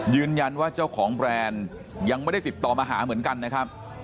ยืนยันว่าเจ้าของแบรนด์ยังไม่ได้ติดต่อมาหาเหมือนกันนะครับ